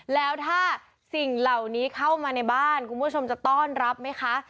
แล้วถ้าสิ่งเหล่านี้เข้ามาในบ้านคุณผู้ชมจะต้อนรับไหมคะ